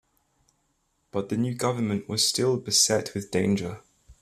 But the new government was still beset with danger.